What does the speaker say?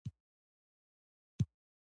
غاښونه او اورۍ مې خرابې دي